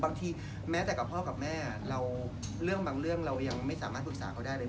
แม้แต่กับพ่อกับแม่เราเรื่องบางเรื่องเรายังไม่สามารถปรึกษาเขาได้เลย